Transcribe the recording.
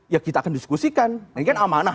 ya kita akan diskusikan ini kan amanah